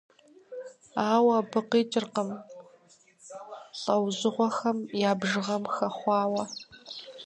Ауэ абы къикӀыркъым лӀэужьыгъуэхэм я бжыгъэм хэхъуауэ.